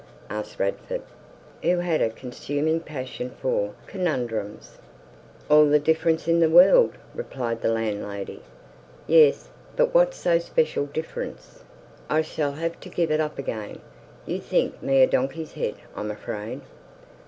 asked Radford, who had a consuming passion for conundrums. "All the difference in the world," replied the landlady. "Yes, but what special difference?" "I s'll have to give it up again. You'll think me a donkey's head, I'm afraid."